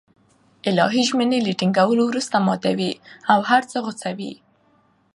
الهي ژمني له ټينگولو وروسته ماتوي او هغه څه غوڅوي